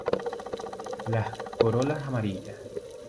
Las corolas amarillas.